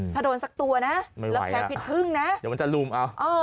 ถ้าโดนสักตัวนะไม่ไหวแล้วแล้วพลายผิดพึ่งนะเดี๋ยวมันจะลุมเอา